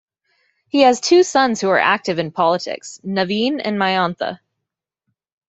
He has two sons, who are active in politics, Navin and Mayantha.